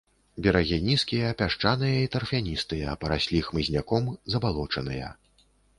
Берагі нізкія, пясчаныя і тарфяністыя, параслі хмызняком, забалочаныя.